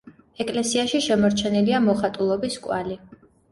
ეკლესიაში შემორჩენილია მოხატულობის კვალი.